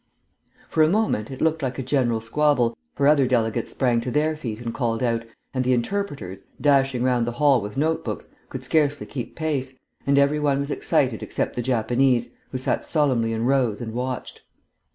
For a moment it looked like a general squabble, for other delegates sprang to their feet and called out, and the interpreters, dashing round the hall with notebooks, could scarcely keep pace, and every one was excited except the Japanese, who sat solemnly in rows and watched.